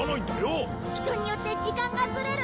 人によって時間がずれるんだ。